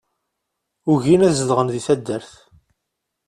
Ugin ad zedɣen di taddart.